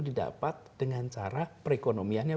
didapat dengan cara perekonomiannya